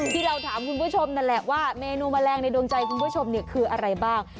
ที่เราถามคุณผู้ชมนั่นแหละว่าเมนูแมลงในดวงใจคุณผู้ชมเนี่ยคืออะไรบ้าง